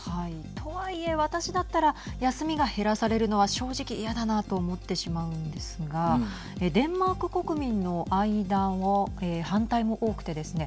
とはいえ私だったら休みが減らされるのは正直嫌だなと思ってしまうんですがデンマーク国民の間は反対も多くてですね